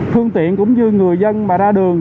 phương tiện cũng như người dân mà ra đường